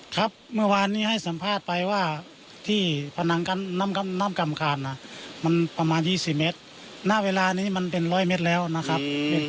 ครับเมื่อวานนี้ให้สัมภาษณ์ไปว่าที่ผนังกั้นน้ำกำคาญมันประมาณ๒๐เมตรณเวลานี้มันเป็นร้อยเมตรแล้วนะครับ